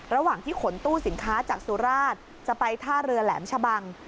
ระหว่างที่ขนตู้สินค้าจากสุราชจะไปท่าเรือแหลมชะบัง